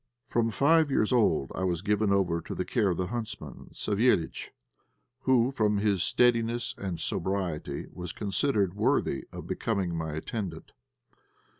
From five years old I was given over to the care of the huntsman, Savéliitch, who from his steadiness and sobriety was considered worthy of becoming my attendant.